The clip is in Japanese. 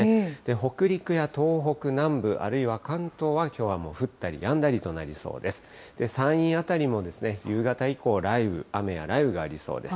北陸や東北南部、あるいは関東は、きょうはもう降ったりやんだりとなりそうです。